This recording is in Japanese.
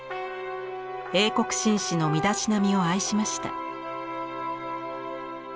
英国紳士の身だしなみを愛しました。